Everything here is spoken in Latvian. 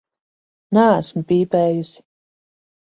Neesmu pīpējusi.